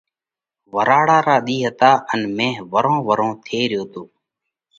ورهاۯا را ۮِي هتا ان مي ورهون ورهون ٿي ريو تو۔